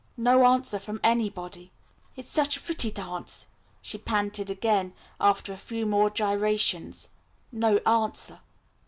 No answer from anybody. "It is such a pretty dance," she panted again, after a few more gyrations. No answer.